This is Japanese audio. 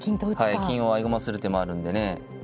はい金を合駒する手もあるんでね。